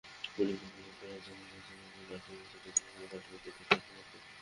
Police super Abdur Razzak বলছেন, রংপুরের আশপাশে ছয়টি জেলার সঙ্গে পার্শ্ববর্তী দেশের সীমান্ত।